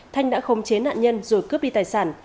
thanh đã không chế nạn nhân rồi cướp đi tài sản